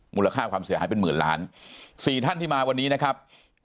มูลค่าความเสียหายเป็นหมื่นล้าน๔ท่านที่มาวันนี้นะครับ